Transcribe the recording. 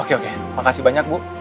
oke oke makasih banyak bu